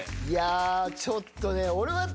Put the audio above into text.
いやちょっとね。